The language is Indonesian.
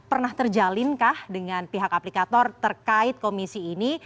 pernah terjalinkah dengan pihak aplikator terkait komisi ini